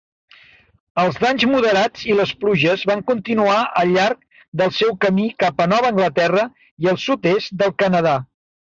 Els danys moderats i les pluges van continuar al llarg del seu camí cap a Nova Anglaterra i el sud-est del Canadà.